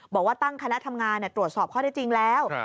บอกว่าตั้งคณะทำงานตรวจสอบข้อได้จริงแล้ว